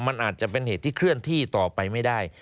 มันอาจจะเป็นเหตุที่เคลื่อนที่ต่อไปไม่ได้